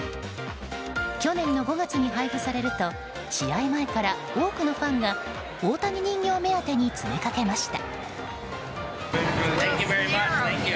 去年の５月に配布されると試合前から、多くのファンが大谷人形目当てに詰めかけました。